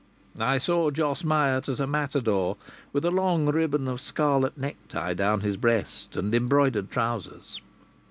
I saw Jos Myatt as a matador, with a long ribbon of scarlet necktie down his breast, and embroidered trousers.